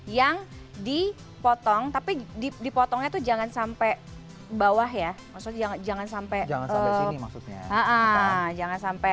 yang dipotong tapi dipotongnya tuh jangan sampai bawah ya maksudnya jangan sampai maksudnya jangan sampai